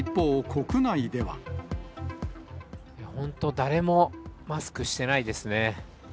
本当、誰もマスクしてないですね。